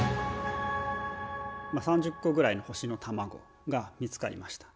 ３０個ぐらいの星のタマゴが見つかりました。